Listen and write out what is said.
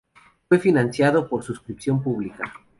Fue financiado por suscripción pública.